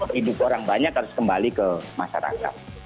hidup orang banyak harus kembali ke masyarakat